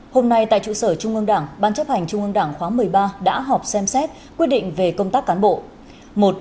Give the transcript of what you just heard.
hôm nay tại trụ sở trung ương đảng ban chấp hành trung ương đảng khóa một mươi ba đã họp xem xét quyết định về công tác cán bộ